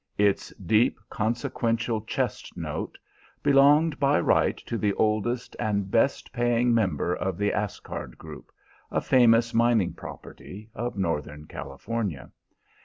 Its deep, consequential chest note belonged by right to the oldest and best paying member of the Asgard group, a famous mining property of northern California.